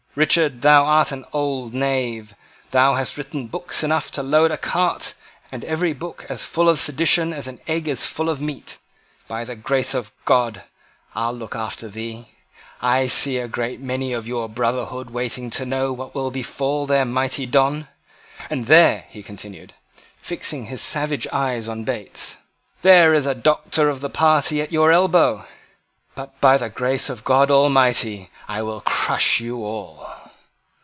Richard, thou art an old knave. Thou hast written books enough to load a cart, and every book as full of sedition as an egg is full of meat. By the grace of God, I'll look after thee. I see a great many of your brotherhood waiting to know what will befall their mighty Don. And there," he continued, fixing his savage eye on Bates, "there is a Doctor of the party at your elbow. But, by the grace of God Almighty, I will crush you all."